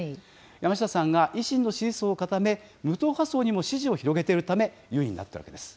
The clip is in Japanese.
山下さんが維新の支持層を固め、無党派層にも支持を広げているため、優位になっているわけです。